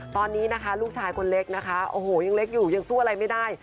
ตอนนี้นะคะลูกชายคนเล็กนะคะโอ้โหยังเล็กอยู่ยังสู้อะไรไม่ได้